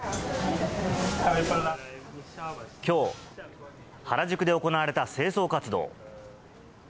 きょう、原宿で行われた清掃活動。